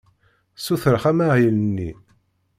Ssutreɣ amahil-nni.